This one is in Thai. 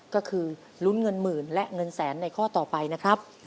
ก็คือลุ้นเงินหมื่นและเงินแสนในข้อต่อไปนะครับ